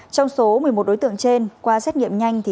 trong số một mươi một đối tượng trên qua xét nghiệm nhanh